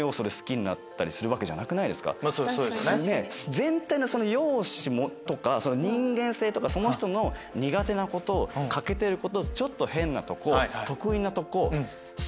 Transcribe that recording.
全体の容姿とか人間性とかその人の苦手なこと欠けてることちょっと変なとこ得意なとこ